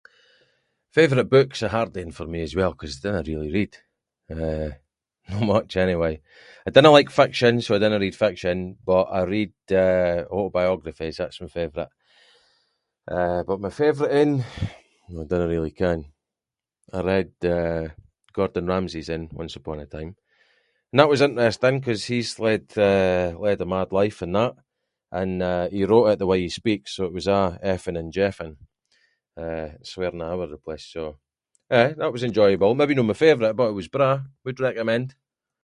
Favourite book’s a hard ain for me as well, ‘cause I dinna really read, eh, no much anyway. I dinna like fiction, so I dinna read fiction, but I read, eh, autobiographies, that’s my favourite. Eh, but my favourite ain, no I dinna really ken. I read, eh, Gordon Ramsay’s ain, once upon a time, and that was interesting ‘cause he’s led, eh, led a mad life and that, and eh, he wrote it the way he speaks, so it was a’ effing and jeffing, eh swearing a’ over the place, so, aye that was enjoyable, maybe no my favourite, but it was braw, would recommend.